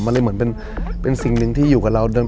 มันเลยเหมือนเป็นสิ่งหนึ่งที่อยู่กับเราเดิม